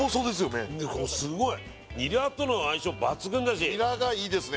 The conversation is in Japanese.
麺これスゴイニラとの相性抜群だしニラがいいですね